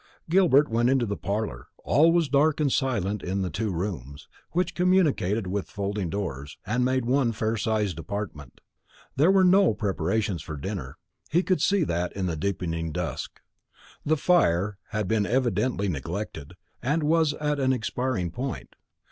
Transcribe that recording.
Gilbert went into the parlour; all was dark and silent in the two rooms, which communicated with folding doors, and made one fair sized apartment. There were no preparations for dinner; he could see that in the deepening dusk. The fire had been evidently neglected, and was at an expiring point.